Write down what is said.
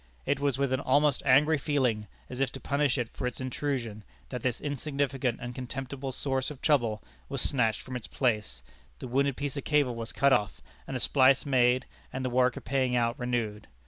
It was with an almost angry feeling, as if to punish it for its intrusion, that this insignificant and contemptible source of trouble was snatched from its place, the wounded piece of cable was cut off, and a splice made and the work of paying out renewed.